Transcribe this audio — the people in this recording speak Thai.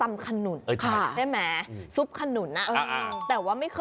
มาคุณดูนี่